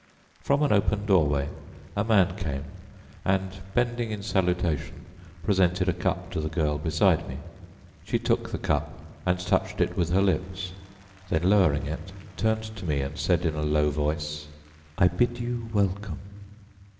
From an open doorway a man came and, bending in salutation, presented a cup to the girl beside me. She took the cup and touched it with her lips, then lowering it turned to me and said in a low voice, "I bid you welcome."